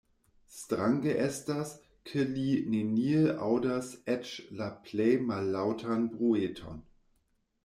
Strange estas, ke li nenie aŭdas eĉ la plej mallaŭtan brueton.